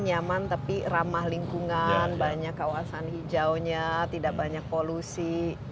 nyaman tapi ramah lingkungan banyak kawasan hijaunya tidak banyak polusi